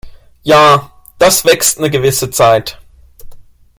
Ja, das wächst 'ne gewisse Zeit.